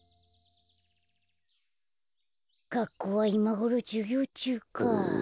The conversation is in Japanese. がっこうはいまごろじゅぎょうちゅうか。